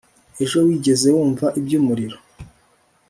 ejo wigeze wumva iby'umuriro